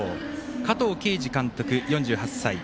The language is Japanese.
加藤慶二監督、４８歳。